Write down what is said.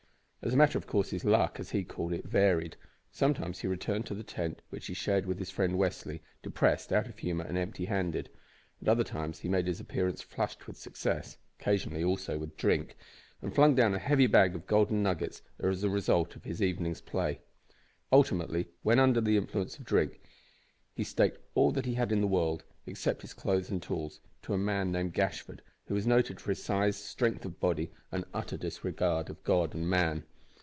As a matter of course his "luck," as he called it, varied. Sometimes he returned to the tent which he shared with his friend Westly, depressed, out of humour, and empty handed. At other times he made his appearance flushed with success occasionally, also, with drink, and flung down a heavy bag of golden nuggets as the result of his evening's play. Ultimately, when under the influence of drink, he staked all that he had in the world, except his clothes and tools, to a man named Gashford, who was noted for his size, strength of body, and utter disregard of God and man.